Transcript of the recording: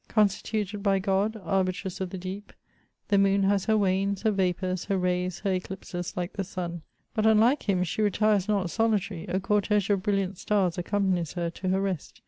Constituted by God, arbitress of the deep, the moon has har wanes, her vapour's, her rajs, her echpses, like the sun ; but, unlike him, she retires not sohtary — a cortege of brilliant stars accompanies her to her rest.